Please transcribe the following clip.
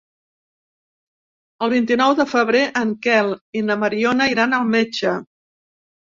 El vint-i-nou de febrer en Quel i na Mariona iran al metge.